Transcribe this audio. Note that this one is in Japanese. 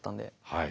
はい。